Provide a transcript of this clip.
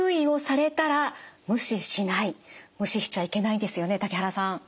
無視しちゃいけないんですよね竹原さん。